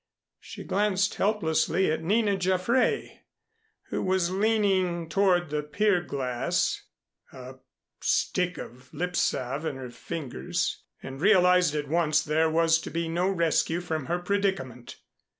She glanced helplessly at Nina Jaffray, who was leaning toward the pier glass, a stick of lip salve in her fingers, and realized at once that there was to be no rescue from her predicament.